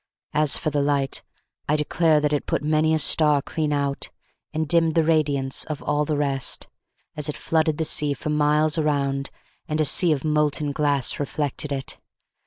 As for the light, I declare that it put many a star clean out, and dimmed the radiance of all the rest, as it flooded the sea for miles around, and a sea of molten glass reflected it.